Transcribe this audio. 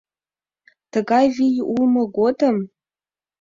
— Тыгай вий улмо годым...